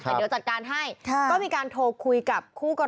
แต่เดี๋ยวจัดการให้ก็มีการโทรคุยกับคู่กรณี